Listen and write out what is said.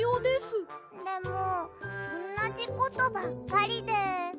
でもおんなじことばっかりで。